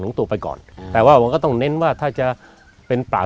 ลงตัวไปก่อนอืมแต่ว่ามันก็ต้องเน้นว่าถ้าจะเป็นปาก